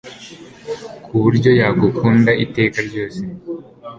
kuburyo yagukunda iteka ryose